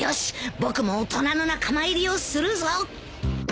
僕も大人の仲間入りをするぞ。